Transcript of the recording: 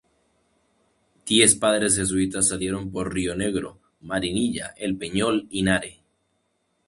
Diez Padres Jesuitas salieron por Rionegro, Marinilla, El Peñol y Nare.